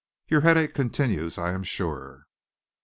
Your headache continues, I am sure.